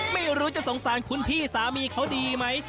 ไม่รู้จะสงสารคุณพี่สามีเขาดีไหม